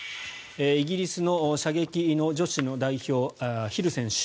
イギリスの射撃の女子代表ヒル選手。